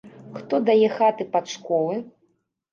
Хто дае хаты пад школы?